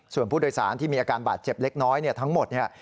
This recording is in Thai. ส่วนผู้โดยสารที่มีอาการบาดเจ็บเล็กน้อยเนี่ยทั้งหมดเนี่ย